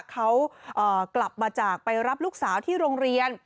เขากลับมาจากไปรับลูกสาวที่โรงเรียน